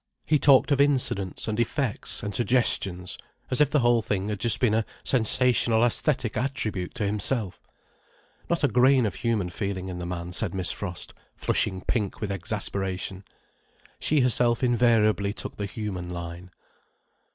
He talked of incidents, and effects, and suggestions, as if the whole thing had just been a sensational æsthetic attribute to himself. Not a grain of human feeling in the man, said Miss Frost, flushing pink with exasperation. She herself invariably took the human line.